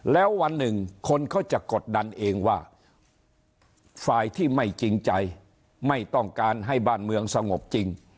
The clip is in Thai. แล้ววันหนึ่งคนเขาจะกดดันเองว่าฝ่ายที่ไม่จริงใจไม่ต้องการให้บ้านเมืองสงบจริง